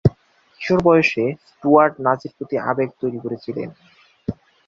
কিশোর বয়সে, স্টুয়ার্ট নাচের প্রতি আবেগ তৈরি করেছিলেন।